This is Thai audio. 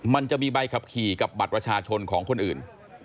มันจะมีใบขับขี่กับบัตรประชาชนของคนอื่น